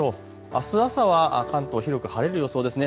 あす朝は関東、広く晴れる予想ですね。